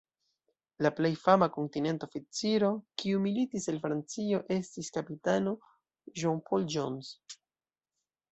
La plej fama Kontinenta oficiro, kiu militis el Francio, estis kapitano John Paul Jones.